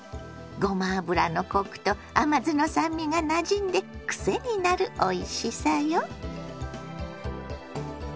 ごま油のコクと甘酢の酸味がなじんでくせになるおいしさよ。